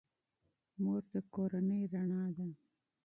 مور د کورنۍ رڼا ده.